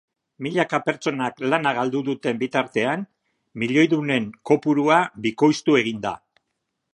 Milaka pertsonek lana galdu duten bitartean, milioidunen kopurua bikoiztu egin da.